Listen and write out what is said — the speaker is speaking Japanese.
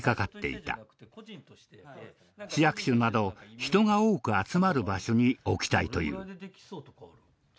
市役所など人が多く集まる場所に置きたいという。